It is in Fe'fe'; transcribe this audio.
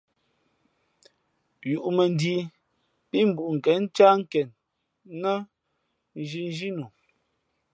Yūʼmᾱnjīī pí mbuʼnkěn ncáh nkěn nά nzhinzhǐ nu.